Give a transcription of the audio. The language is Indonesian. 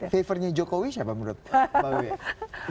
favor nya jokowi siapa menurut mbak wiwi